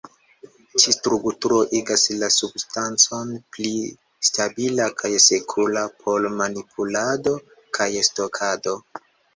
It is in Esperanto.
Ĉi-strukturo igas la substancon pli stabila kaj sekura por manipulado kaj stokado.